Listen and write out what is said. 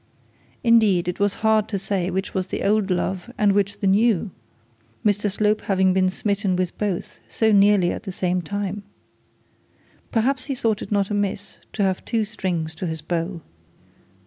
Indeed it was hard to say which was the old love and which was the new, Mr Slope having been smitten with both so nearly at the same time. Perhaps he thought it not amiss to have two strings to his bow.